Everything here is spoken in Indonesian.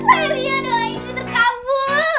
serius doang ini terkabul